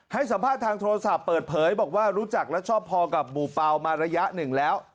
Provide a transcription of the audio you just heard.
ให้สัมภาษณ์ทางโทรศัพท์เปิดเผยบอกว่ารู้จักและชอบพอกับหมู่เปล่ามาระยะหนึ่งแล้ว